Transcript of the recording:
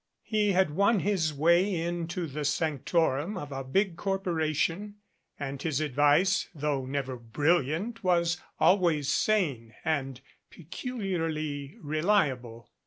He had won his way into the sanctorum of a big corporation and his advice, though never brilliant, was always sane and peculiarly reliable.